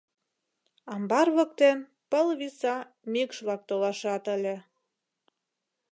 Амбар воктен пыл виса мӱкш-влак толашат ыле.